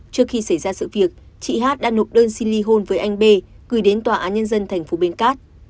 trước khi xảy ra sự việc chị hát đã nộp đơn xin ly hôn với anh b gửi đến tòa án nhân dân thành phố bến cát